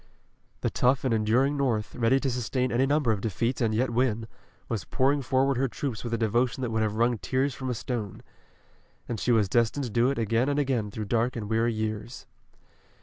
The tough and enduring North, ready to sustain any number of defeats and yet win, was pouring forward her troops with a devotion that would have wrung tears from a stone. And she was destined to do it again and again through dark and weary years.